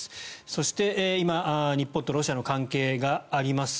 そして、今日本とロシアの関係があります。